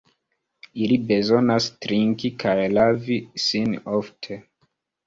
Ili bezonas trinki kaj lavi sin ofte.